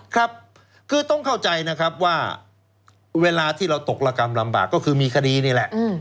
ครับคือต้องเข้าใจนะครับว่าเวลาที่เราตกระกรรมลำบากก็คือมีคดีนี่แหละ